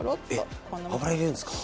え油入れるんですか？